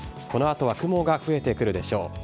このあとは雲が増えてくるでしょう。